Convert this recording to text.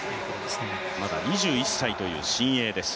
まだ２１歳という新鋭です。